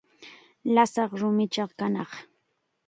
Lasaq rumichi kanaq.